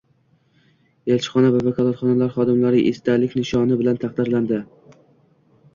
Elchixona va vakolatxonalar xodimlari esdalik nishoni bilan taqdirlanding